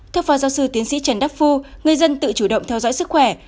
theo phó giáo sư tiến sĩ trần đắc phu người dân tự chủ động theo dõi sức khỏe